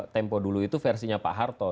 tempo dulu itu versinya pak harto